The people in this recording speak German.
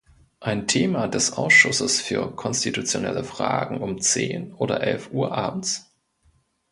Ein Thema des Ausschusses für konstitutionelle Fragen um zehn oder elf Uhr abends?